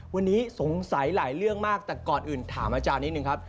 วันนี้สงสัยหลายเรื่องมากแต่ก่อนอื่นถามอาจารย์นิดนึงครับ